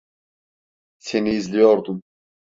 Seni izliyordum.